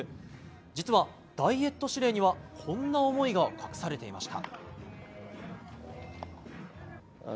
実は、ダイエット指令にはこんな思いが隠されていました。